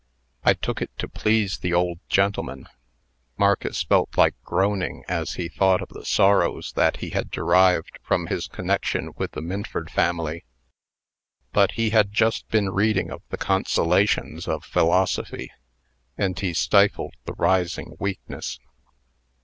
I took it to please the old gentleman." Marcus felt like groaning, as he thought of the sorrows that he had derived from his connection with the Minford family; but he had just been reading of the consolations of philosophy, and he stifled the rising weakness.